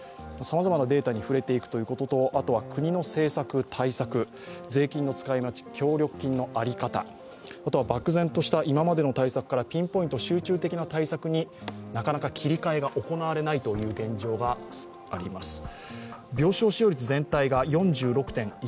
さまざまなデータに触れていくということと、国の政策・対策税金の使い道、協力金の在り方、あとは漠然とした今までの対策からピンポイントの集中した対策になかなか切り替えが行われないという現状があります。